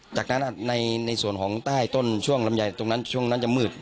จากนั้นในส่วนของใต้ต้นช่วงลำไยตรงนั้นช่วงนั้นจะมืด